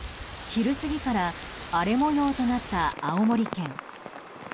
昼過ぎから荒れ模様となった青森県。